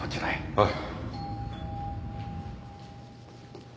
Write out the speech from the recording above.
はい。